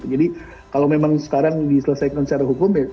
jadi kalau memang sekarang diselesaikan secara hukum